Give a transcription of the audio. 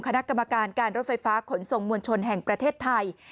คณะกรรมการการรถไฟฟ้าขนส่งมวลชนแห่งประเทศไทย